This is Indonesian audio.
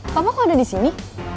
papa kok ada disini